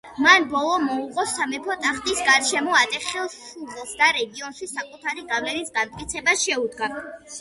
მან ბოლო მოუღო სამეფო ტახტის გარშემო ატეხილ შუღლს და რეგიონში საკუთარი გავლენის განმტკიცებას შეუდგა.